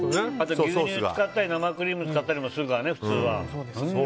牛乳使ったり生クリーム使ったりもするからね普通は。